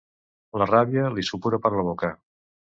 La ràbia li supura per la boca.